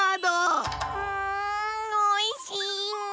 うんおいしい！